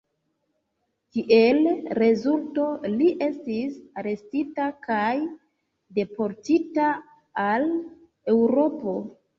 Kiel rezulto, li estis arestita kaj deportita al Eŭropo.